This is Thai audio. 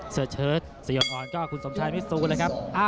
เสื้อเฉิดเสียงอ่อนก็คุณสมชัยมิดสูรนะครับ